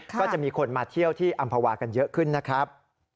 ก็จะมีคนมาเที่ยวที่อำภาวากันเยอะขึ้นนะครับ